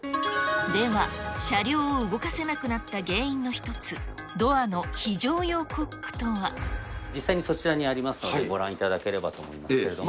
では、車両を動かせなくなった原因の一つ、実際にそちらにありますので、ご覧いただければと思いますけれども。